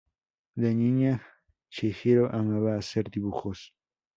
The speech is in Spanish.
De niña, Chihiro amaba hacer dibujos.